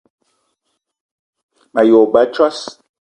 Me ye wo ba a tsos